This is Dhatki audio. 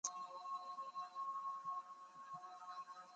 منا پيسا کپي تا.